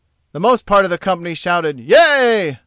The most part of the company shouted "Yea!"